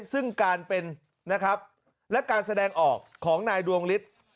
ซึ่งการเป็นนะครับและการแสดงออกของนายดวงฤทธิ์